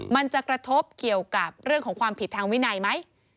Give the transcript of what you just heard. มันจะกระทบเกี่ยวกับเรื่องของความผิดทางวินัยไหม